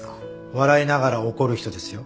笑いながら怒る人ですよ。